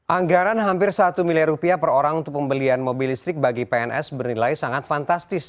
anggaran hampir satu miliar rupiah per orang untuk pembelian mobil listrik bagi pns bernilai sangat fantastis